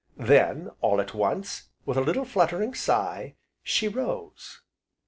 Then, all at once, with a little fluttering sigh she rose.